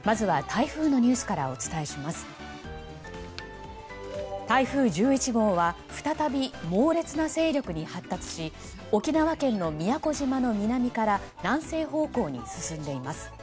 台風１１号は再び猛烈な勢力に発達し沖縄県の宮古島の南から南西方向に進んでいます。